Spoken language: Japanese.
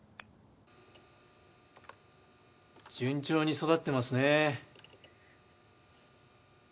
順調に育ってますね。